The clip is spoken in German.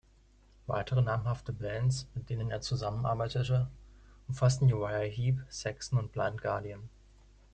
Weitere namhafte Bands, mit denen er zusammenarbeitete, umfassen Uriah Heep, Saxon und Blind Guardian.